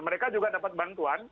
mereka juga dapat bantuan